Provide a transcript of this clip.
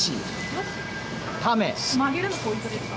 曲げるのポイントですか？